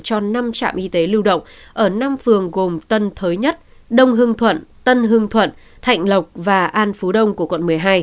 cho năm trạm y tế lưu động ở năm phường gồm tân thới nhất đông hưng thuận tân hương thuận thạnh lộc và an phú đông của quận một mươi hai